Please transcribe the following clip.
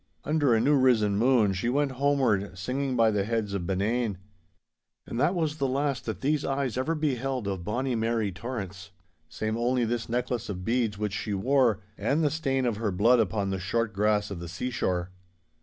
Under a new risen moon she went homeward, singing by the heads of Benane. And that was the last that these eyes ever beheld of bonny Mary Torrance—save only this necklace of beads which she wore, and the stain of her blood upon the short grass of the seashore.